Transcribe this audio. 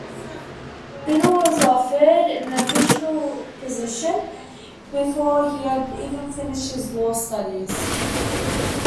Biddle was offered an official position before he had even finished his law studies.